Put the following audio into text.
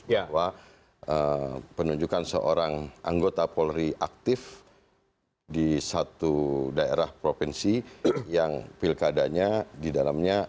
bahwa penunjukan seorang anggota polri aktif di satu daerah provinsi yang pilkadanya di dalamnya